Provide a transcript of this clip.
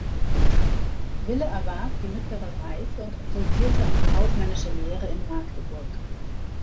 Wille erwarb die mittlere Reife und absolvierte eine kaufmännische Lehre in Magdeburg.